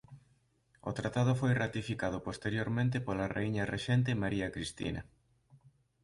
O tratado foi ratificado posteriormente pola raíña rexente María Cristina.